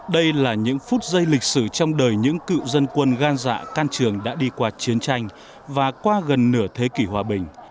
đây là những phút giây lịch sử trong đời những cựu dân quân gan dạ can trường đã đi qua chiến tranh và qua gần nửa thế kỷ hòa bình